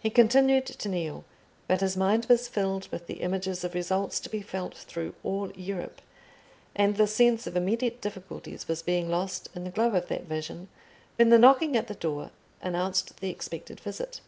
He continued to kneel, but his mind was filled with the images of results to be felt through all Europe; and the sense of immediate difficulties was being lost in the glow of that vision, when the knocking at the door announced the expected visit.